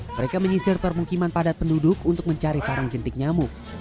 mereka menyisir permukiman padat penduduk untuk mencari sarang jentik nyamuk